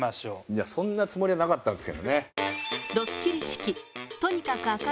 いやそんなつもりはなかったんですけどね。